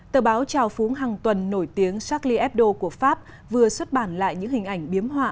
tờ báo trào phúng hàng tuần nổi tiếng shackly hebdo của pháp vừa xuất bản lại những hình ảnh biếm họa